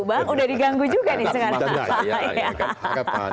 bang udah diganggu juga nih sekarang